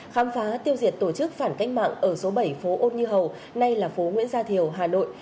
khám phá tiêu diệt tổ chức phản cách mạng ở số bảy phố ô nhi hầu nay là phố nguyễn gia thiều hà nội